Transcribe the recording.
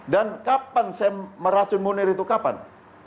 dan kapan saya meracun munir itu kapan